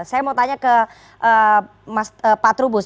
saya mau tanya ke pak trubus